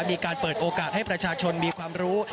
มีการเปิดโอกาสให้ประชาชนมีความรู้